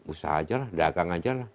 usaha saja dagang saja